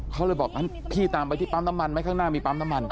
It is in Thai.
เขาเลยบอกพี่ตามไปที่ปั๊มตำรวจไหมข้างหน้ามีปั๊มตำรวจ